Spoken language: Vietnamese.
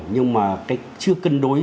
nhưng mà cái chưa cân đối